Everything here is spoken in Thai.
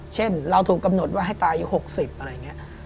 เช่นเราถูกกำหนดว่าให้ตายอยู่๖๐อะไรอย่างนี้